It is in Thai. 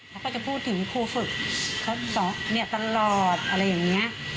เขาก็จะพูดถึงครูศึกเขาตอบเมียตลอดอะไรอย่างนี้